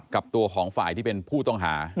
กับตัวของฝ่ายที่เป็นผู้ต้องหา